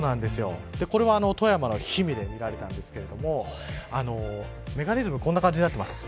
これは富山の氷見で見られたんですがメカニズム、こうなっています。